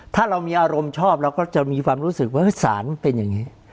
ถ้าเรามีอารมณ์ชอบเราก็จะมีความรู้สึกว่าสารมันเป็นอย่างนี้